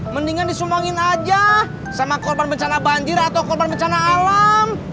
mendingan disumbangin aja sama korban bencana banjir atau korban bencana alam